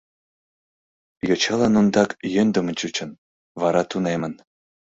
Йочалан ондак йӧндымын чучын, вара тунемын.